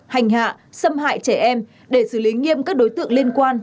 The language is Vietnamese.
hành hạ xâm hại trẻ em để xử lý nghiêm các đối tượng liên quan